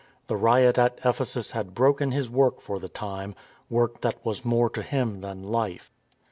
The riot at Ephe sus had broken his work for the time, work that was more to him than life.